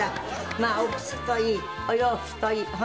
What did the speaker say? まあお靴といいお洋服といいホントに。